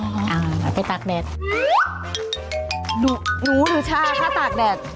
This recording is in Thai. หนูหนูหรือชาฬะถ้าตากแดด